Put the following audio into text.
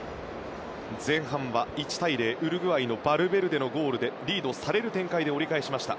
前半は、１対０とウルグアイのバルベルデのゴールでリードされる展開で折り返しました。